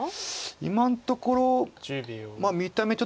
今のところ見た目ちょっと。